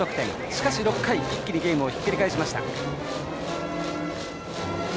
しかし６回、一気にゲームをひっくり返しました。